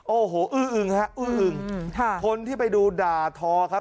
โอ้โหอื้ออึงฮะอื้ออึงคนที่ไปดูด่าทอครับ